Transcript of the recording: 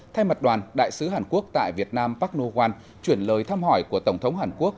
thay mặt đoàn đại sứ hàn quốc tại việt nam park noh wan chuyển lời thăm hỏi của tổng thống hàn quốc